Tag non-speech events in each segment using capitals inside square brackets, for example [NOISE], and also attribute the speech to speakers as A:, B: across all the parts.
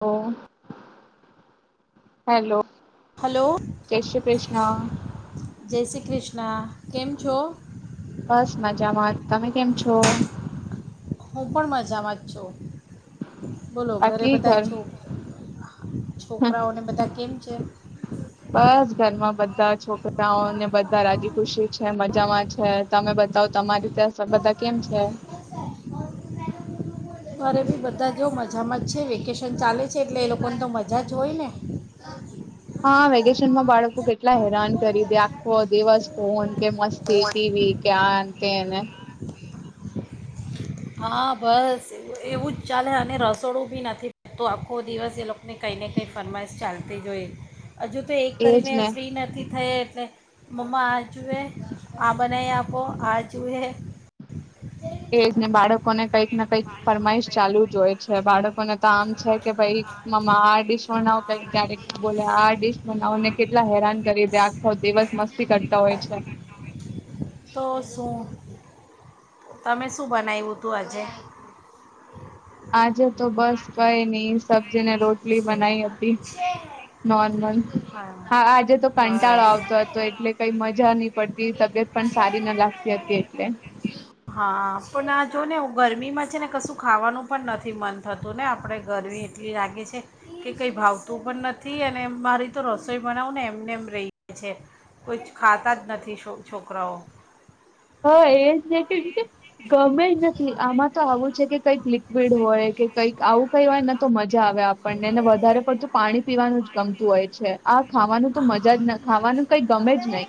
A: Hello, hello
B: hello
A: જય શ્રી કૃષ્ણ!
B: જય શ્રી કૃષ્ણ! કેમ છો
A: બસ મજામાં, તમે કેમ છો?
B: હું પણ મજામાં જ છું. બોલો, ઘરે
A: બાકી
B: બધા
A: ઘર
B: છો છોકરાઓને બધા કેમ છે?
A: બસ ઘરમાં બધ ધા છોકર રાઓ ને બધા રાજી ખુશી છે, મજામાં. છે, તમે બતાવ તમારી ત્યા બધા કેમ છે?
B: મારે ભી બધા જો મજામાં જ છે, વેકેશન ચાલે છે એટલે એ લોકોને તો મજા જ હોય ને.
A: હા, વેકેશનમાં બાળકો કેટલા હેરાન કરી દે આખો દિવસ ફોન કે મસ્તી, ટીવી, [UNINTELLIGIBLE] તેને
B: હા, બસ એવુંજ ચાલે અને રસોડું બી નથી, તો આખો દિવસ એ લોકોને કંઈ ને કંઈ ફરમાઈશ ચાલતીજ હોય. હજુ તો એક
A: એજ
B: કરીને
A: ને
B: ફ્રી નથી થઈ એટલે મમ્મા આ જોુએ, આ બનાઈ આપો, આજુએ.
A: એ ને બાળકોને કાઈક ના કાઈક ફરમાઈશ ચાલુ જ હોય છે. બાળકોને તો આમ છે કે ભાઈ મમ્મા આ ડીશ બનાવો કાઈક ક્યારેક બોલે આ ડીશ બનાવો ને કેટલા હેરાન કરી દે આખો દિવસ મસ્તી કરતા હોય છે.
B: તો શું તમે શું બનાયું તું આજે?
A: આજે તો બસ કઈ નહી. સબ્જી ને રોટલી બનાવી
B: હા
A: હતી નોર્મલ. હા આજે તો કંટાળો
B: બસ
A: આવતો હતો એટલે કઈ મજા નહી પડતી, તબિયત પણ સારી ના લાગતી હતી એટલે.
B: હા પણ આ જો ને ગરમીમાં છે ને કશું ખાવાનું પણ નથી મન થતું ને આપણે ગરમી એટલી લાગે છે કે કંઈ ભાવતું પણ નથી અને મારી તો રસોઈ બનાવું ને એમને એમ રહીએ છે. કુછ ખાતા જ નથી છો છોકરાઓ.
A: હા એ જ ને કેમ કે ગમે જ નથી આમાં તો આવું છે કે કંઈક લિક્વિડ હોય કે કંઈક આવું કઈ હોય તો મજ જા આવે આપણને અને વધારે પડતું પાણી પીવાનું જ ગમતું હોય છે. આ ખાવાનું તો મજા જ ના ખાવાનું કઈ ગમે જ નહી.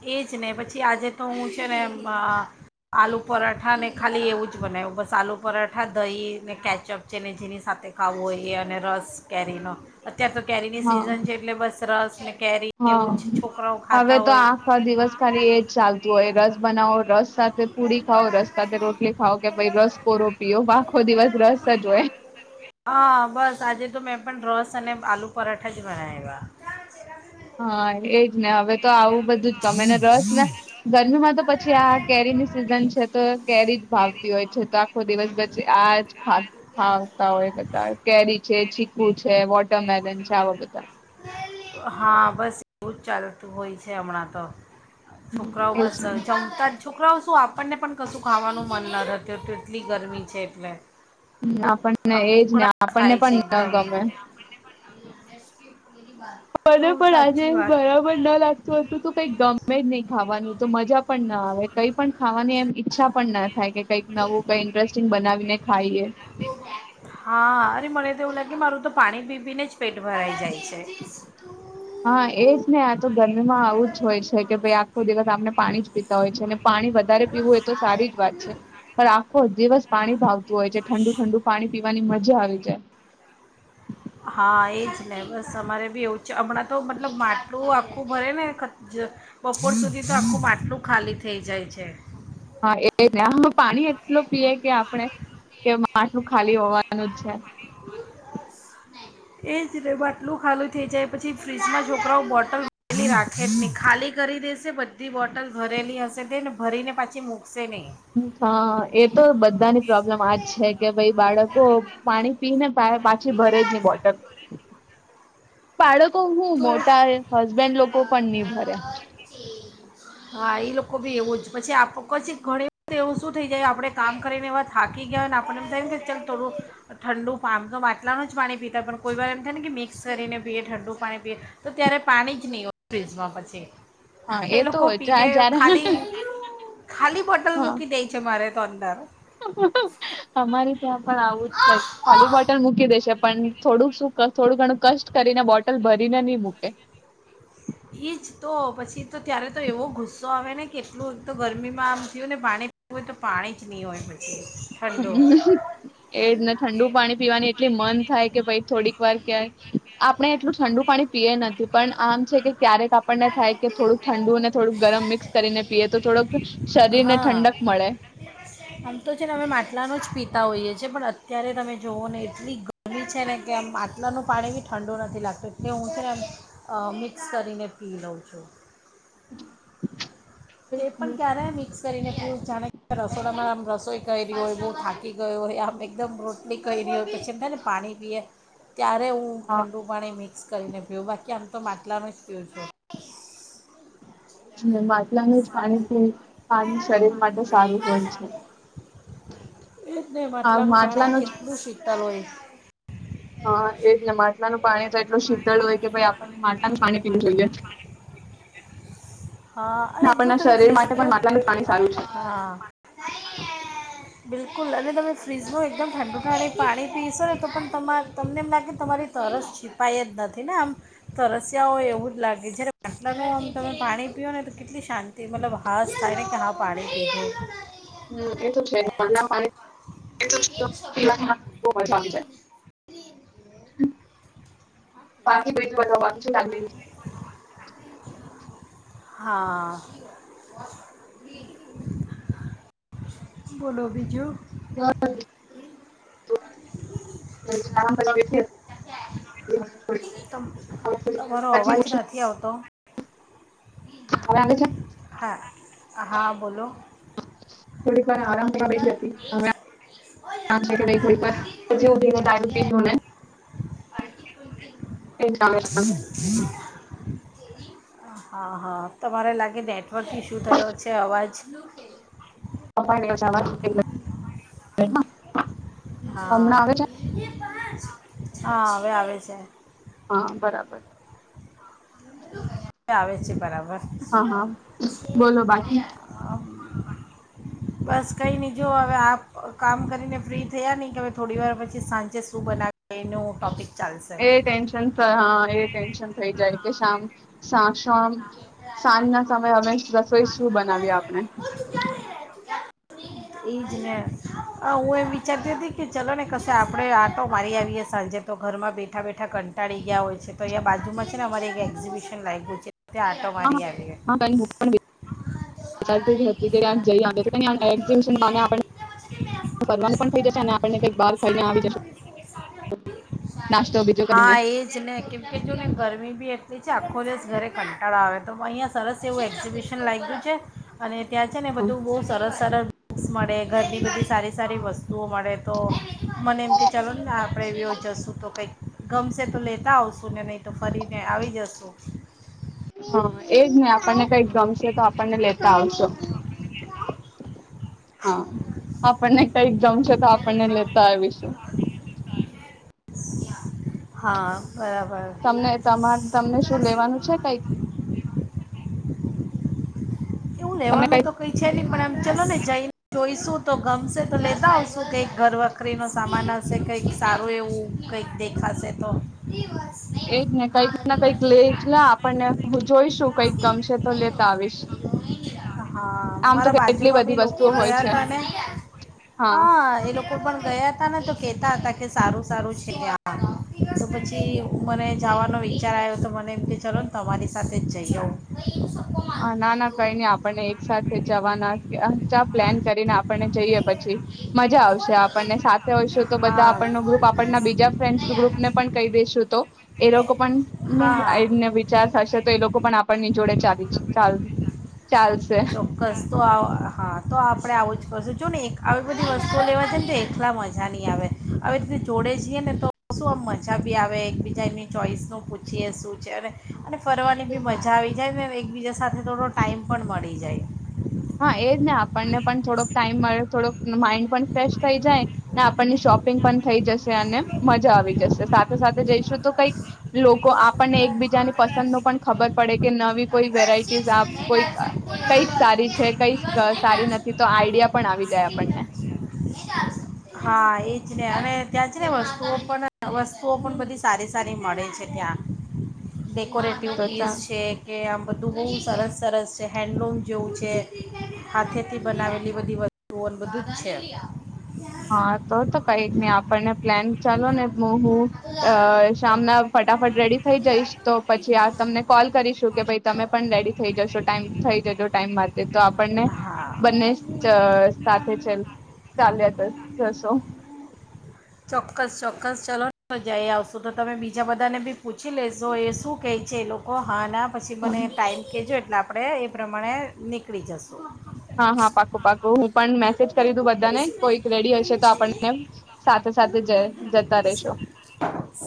B: એ જ ને પછી આજે તો હું છે ને આલુ પરાઠા ને ખાલી એવું જ બનાવ્યું બસ આલુ પરાઠા દહી ને કેચઅપ છે ને જેની સાથે ખાવું હોઈ એ અને રસ કેરીનો... ત્યાં તો કેરીની
A: હા
B: સીજન...
A: હા
B: જ છોકરાઓ
A: હવે
B: ખાતા
A: તો
B: હોય
A: આખો દિવસ ખાલી એજ ચાલતું હોય રસ બનાવો રસ સાથે પૂડી ખાઓ રસ સાથે રોટલી ખાઓ કે ભ રસ કોરો પીઓ આખો દિવસ રસ જ હોય.
B: અનેને આલુ પરાઠા જે... બબ [UNINTELLIGIBLE]
A: હા એજ ને હવે. તો આવું બધું જ ગમે ને રસ ને ગરમીમાં તો પછી આ કેરીની સિઝન છે તો કેરી જ ભાવતી હોય છે તો આખો દિવસ પછી આ જ ખાવતા હોય બધા કેરી છે ચીકુ છે વોટરમેલન છે આવા બધા.
B: બનાવ્યા હા બસ એવું જ ચાલ હોય છે અમણા તો છોકરાઓ
A: એજ
B: બસ જમતા જ છોકરાઓ શું આપ આપણને પણ કશું ખાવાનું મન ન રહેત તેટલી ગરમી છે એટલે ઉક
A: આપણને
B: આમ
A: એજ ને
B: ઉકળાટ
A: આપણને
B: થાય છે
A: પણ ન ગમે.
B: એકદમ તો સાચી વાત
A: બર ન લાગતું હતું તો કઈ ગમે જ નહી ખાવાનું તો મજા પણ ના આવે કઈ પણ ખાવાની એમ ઈચ્છા પણ ના થાય કે કંઈક નવું કઈ ઇન્ટરેસ્ટિંગ બનાવીને ખાઈએ.
B: હા અરે મને એવું લાગે મારું તો પાણી પી પીને જ પેટ ભરાઈ જાય છે
A: હા એજ ને આ તો ગરમીમાં આવું જ હોય છે કે ભાઈ આખો દિવસ આપને પાણીજ પીતા હોય છે ને પાણી વધારે પીવું એ તો સારી જ વાત છે પણ આખો દિવસ પાણી ભાવતું હોય છે ઠંડુ-ઠંડુ પાણી પીવાની મજા આવે. જ
B: હા એજ ને બસ અમારે બી એવું જ હમણાં તો મતલબ માટલું આ આખું ભરે ને બપોર સુધી તો આખું માટલું ખાલી થઈ જાય છે.
A: હા એજ ને પાણી એટલું પીએ કે આપણે કે માટલું ખાલી હોવાનું જ છે.
B: એજ મટલું ખાલી થઇ જાય પછી ફ્રીજમાં છોકરાઓ બોટલ ભરેલી રાખે જ નહી ખાલી કરી દેશે બધી બોટલ ભરેલી હશે તેને ભરીને પાછી મૂકશે નહી.
A: હા એ તો બધાની પ્રોબ્લેમ આજ છે કે ભાઈ બાળકો પાણી પીને પાછી ભરે જ નહી બોટલ. બાળક તુહું
B: તો
A: મોટા હસબેન્ડ લોકો પણ નિ ભરે.
B: હા એ લોકો ભી એવું જ પછી આપ પછી ઘણી એવું શું થઈ જાય આપડે કામ કરીને એવા થાકી ગયા હોયને આપણને એમ થાય ને કે ચાલ થોડું ઠંડુ પામ તો માટલાનું જ પાણી પીતા હોય પણ કોઈ વાર એમ થાય ને કે મિક્સ કરીને પીએ ઠંડુ પાણી તો ત્યારે પાણી જ નહી હોય ફિજમાં પછી.
A: હા એ તો
B: લોકો
A: હોય છે
B: પીને
A: જ્યા જ્યારે
B: ખાલી ખાલી બોટલ
A: હા
B: મૂકી દે છે મારે તો અંદર
A: અમારે ત્યાં પણ આવું જ છે ખાલી બોટર મૂકી દેશે પણ થોડુંક શું ક થોડું ઘણું કષ્ટ કરીને બોટલ ભરીને નહી મૂકે.
B: ઈજ તો પછી તો ત્યારે તો એવો ગુસ્સો આવે ને કેટલું એક તો ગરમીમાં આમ થયું ને પાણી પીવું હોય તો પાણી જ નહીં હોય પછી.
A: એ
B: ઠંડુ
A: જ ને ઠંડુ પાણી પીવાની એટલી મન થાય કે ભઈ થોડીક વાર ક્યાંય આપણે એટલું ઠંડુ પાણી પીએ નથી પણ આમ છે કે ક્યારેક આપણને થાય કે થોડુંક ઠંડુ ને થોડુંક ગરમ મિક્સ કરીને પીએ તો થોડુંક શરીર ને
B: હા
A: ઠંડક મળે.
B: આમ તો છે ને અમે મા લાનું જ પીતા હોઈએીએ પણ અત્યારે તમે જુઓ ને એટલી ગરમી છે ને કે આમ માટલાનું પાણી બી ઠંડુ નથી લાગતું એટલે હું છે ને એમ મિક્સ કરીને પી લઉં છું. તે પણ ક્યારે મિક્સ કરી ને પીઉ જાણે રસોડામાં આમ રસો કોઈ કયરી હોય બહુ થાકી ગયો હોય આમ એકદમ રોટલી કયરી હોય. પછી એમ થાય ને પાણી પીએ ત્યારે હું
A: હા
B: ઠંડુ પાણી મિક્સ કરીને પીઉં બાકી આમ તો માટલાનું જ પીઉં છું.
A: [UNINTELLIGIBLE] લાનું જ પાણી પીઉં પાણી શરીર માટે સારું હોય છે.
B: ઈ જ ને માટલાનું પાણી કેટલું શીતલ હોય.
A: હ એજ ને માટલાનું પાણી તો એટલું શીતળ હોય કે ભાઈ આપણને માટલાનું પાણી પીવું જોઈએ.
B: હા અને જો
A: આપણના
B: તમે
A: શરીર
B: ફ્રીઝ
A: માટે
B: તો
A: પણ માટલાનું પાણી સારું છે
B: હા બિલકુલ અને તમે ફ્રીઝમાં એકદમ ઠંડુ પાણી પાણી પીશો ને તો પણ તમા તમને એમ લાગે તમારી તરસ છીપાઈ જ નથી ને આમ તરસિયા હોય એવું જ લાગે જ્યારે માટલાનું આમ તમે પાણી પીઓ ને તો કેટલી શાંતિ મતલબ હાસ થાય ને કે હા પાણી પીધું.
A: હમ એ તો છે જ માટલાના પાણી
B: એ તો છે જ સબકો
A: પીવાની
B: મારુ [INAUDIBLE]
A: બહુ મજા આવી જાય બાકી [INAUDIBLE] બધા બાકી છે
B: હા બોલો બીજું
A: રહ્યું પછી ઉઠી હવે
B: [INAUDIBLE] તમ તમારો અવાજ નથી આવતો
A: અમારે છેન
B: હા હા બોલો
A: થોડીક વાર આરામ કરવા બેઠી હતી હવે કામ છે કે નહીં થોડીક વાર [INAUDIBLE] કેવું ચાલે છે બધું
B: હા હહ તમારે લાગે નેટ વર્ક ઇસ્યુ થયો છે અવાજ નું તેલ
A: તમારે અચાનક એટલે એમજ
B: હા [INAUDIBLE] હા અવે આવે છે
A: હહ બરાબર
B: આવે છે બરાબર
A: હહ હહ બોલો બાકી
B: બસ કઈ નહીં જો હવે આપ કામ કરીને ફ્રી થયા નહી કે હવે થોડી વાર પછી સાંજે શું બનાવે એનું ટોપિક
A: એ ટેન્શન હહ એ ટેન્શન થઈ જાય કે શામ સાસ સાંજ સાંજ ના સમયે હવે રસોઈ શું બનાવીએ આપણે
B: ઈ જ ને અ હું એમ વિચારતી હતી કે ચલો ને કશે આપડે આટો મારી આવીએે સાંજે તો ઘરમાં બેઠા બેઠા કંટાળી ગયા હોય છે તો અહીયા બાજુમાં છે ને અમારે એક એક્ઝિબિશન લાગ્યું છે ત્યાં આટો મારી આવીએ હા
A: [UNINTELLIGIBLE]
B: તે છે આખોદિવસ ઘરે. કંટાળા આવે તો અહીંયા સરસ એવું એક્ઝિબિશન લાગ્યું છે અને ત્યાં છે ને બધું બહુ સરસ સરસ બુક્સ મળે ઘરની બધી. સારી સારી વસ્તુઓ મળે તો મને એમ કે ચાલો ને આપણે બેયો જશું તો કંઈક ગમશે તો લેતા આવશું ને નહીં તો ફરીને આવી જશું.
A: હા એજ ને આપણને કઈક ગમશે તો આપણને લેતા આવશો હા આપણને કઈક ગમશે તો આપણને લેતા આવીશું.
B: હા. બરાબર
A: તમને તમા તમને શું લેવાનું. આવું છે કંઈક
B: એવું લેવાનું
A: કઈક
B: તો કઈ છે નહી પણ આમ ચલો ને જઈન. જોઈશું તો ગમશે તો લેતા આવશું કઈક ઘરવખરીનો સામાન હશે કઈક સારું એવું કઈક દેખાશે તો.
A: એજ ને કંઈક ને કંઈક લે એટલા આપણને હું જોઈશું કંઈક ગમશે તો લેતા આવીશ.
B: હા
A: આમ તો
B: મારા
A: કેટલી
B: બાજુમાં
A: બધી
B: બી લોકો
A: વસ્તુઓ હોય છે
B: ગયા હતા. હા એ લોકો પણ ગયા હતા ને તો કેતા હતા કે સારું સારું છે કે આ તો પછી મને જાવાનો વિચાર આવ્યો તો મને એમ કે ચલો ને તમારી સાથે જ જઈ આવું.
A: હા ના ના કઈ નઈ આપણને એક સાથે જવાના ચા પ્લેન કરીને આપણને જઈએ પછી મજા આવશે. આપણને સાથે હોઈશું તો બધા
B: હા
A: આપણનો ગ્રુપ આપણના બીજા ફ્રેન્ડસ ગ્રુપ ને પણ કહી દઈશું તો. એ લોકો પણને ઉમ
B: હા
A: આ રીતે વિચાર થાશે તો એ લોકો પણ આપણની જોડે ચલી
B: ચોક્કસ તો આ હા તો આ આપડે આવું જ કરશું જો ને એક આવી બધી વસ્તુઓ લેવા છે ને તો એકલા મજા નહી આવે આવી રીતે જોડે જીએ ને તો આવે એકી બીજ. જે એમની ચોઈસનું પૂછીએ શું છે અને અને ફરવાની બી મજા આવી જાય અને એકબીજા સાથે થોડો ટાઈમ પણ મળી જાય.
A: હા એજ ને આપણને પણ થોડોક ટાઈમ મળ્યો થોડોક માઈન્ડ પણ ફ્રેશ થઈ જાય ને આપણની શોપિંગ પણ થઈ જશે અને મજા આવી જશે સાથે સાથે જઈશું તો કઈક લોકો આપણને એકબીજાની પસંદનું પણ ખબર પડે કે નવી કોઈ વેરાઇટીસ આ કોઈક કઈક સારી છે. જે કઈક સારી નથી તો આઈડિયા પણ આવી જાય આપણને.
B: હા એજ ને અને ત્યાં છે ને વસ્તુઓ પણ વસ્તુઓ પણ બધી સારી સારી મળે છે ત્યાં.
A: હા
B: ડેકોરેટિવ
A: તો
B: પીસ
A: ચાલ
B: છે કે આમ બધું બહુજ તરસ. સરસ છે. હેન્ડલૂમ જેવું છે. હાથેથી બનાવેલી બધી વતુઓ ને બધું જ છે.
A: હા તો તો કઈ જ નહી આપણને પ્લેન ચાલો ને હું હું અ શામના ફટાફટ રેડી થઈ જઈશ તો પછી આ તમને કોલ કરીશું કે ભાઈ તમે પણ રેડી થઈ જશો ટાઈમ થઈ જજો. ટાઈમ માતે તો આપ આપણને
B: છે હા
A: બંને ચ સાથે ચલ ચાલ્યા જસો.
B: ચોક્કસ ચોક્કસ ચલો જઈ આવશો તો તમે બીજા બધાને બી પૂછી લેશો એ શું કેહે છે એ લોકો હા ના પછી મને
A: હા
B: ટાઈમ કહેજો એટલે આપ આપણે એ પ્રમાણે નીકળી જશું.
A: હા હા પાક્કુ પાક્કુ હું પણ મેસેજ કરી દવ બધાને કોઈક રેડી હશે તો આપણને સાથે સાથે જતા રેશો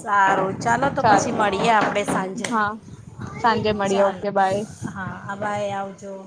B: સારું ચાલો તો પછી
A: સારું
B: મળીએ આપડે સાંજે
A: હા સાંજે મળીએ
B: ચાલો
A: ઓકે બાય
B: હા આ બાઈ આવજો. તો [INAUDIBLE]